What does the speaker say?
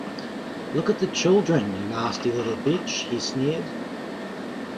“Look at the children, you nasty little bitch!” he sneered.